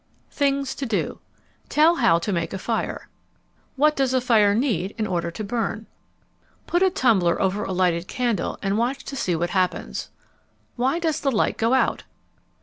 THINGS TO DO Tell how to make a fire. What does a fire need in order to burn? Put a tumbler over a lighted candle and watch to see what happens. _Why does the light go out?